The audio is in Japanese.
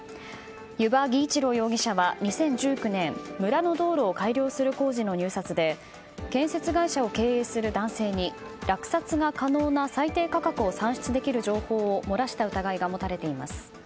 弓場儀一郎容疑者は２０１９年、村の道路を改良する工事の入札で建設会社を経営する男性に落札が可能な最低価格を算出できる情報を漏らした疑いが持たれています。